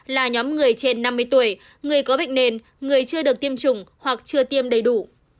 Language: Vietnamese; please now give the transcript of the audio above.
là nhóm người trên năm mươi tuổi người có bệnh nền người chưa được tiêm chủng hoặc chưa tiêm đầy đủ